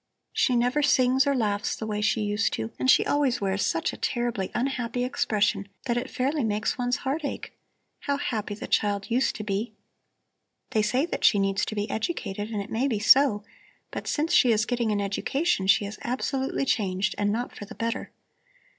She never sings or laughs the way she used to, and she always wears such a terribly unhappy expression that it fairly makes one's heart ache. How happy the child used to be! "They say that she needs to be educated, and it may be so; but since she is getting an education she is absolutely changed, and not for the better.